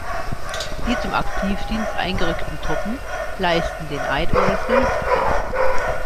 Die zum Aktivdienst eingerückten Truppen leisten den Eid oder das Gelübde.